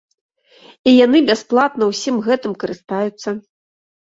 І яны бясплатна ўсім гэтым карыстаюцца.